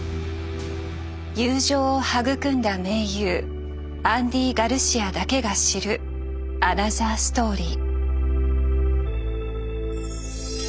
友情を育んだ名優アンディ・ガルシアだけが知るアナザーストーリー。